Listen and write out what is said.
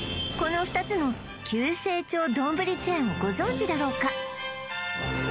この２つの急成長丼チェーンをご存じだろうか？